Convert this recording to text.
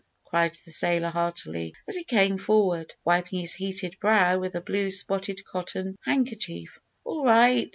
cried the sailor heartily, as he came forward, wiping his heated brow with a blue spotted cotton handkerchief. "All right!"